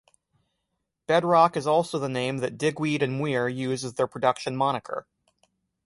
Bedrock is also the name that Digweed and Muir use as their production moniker.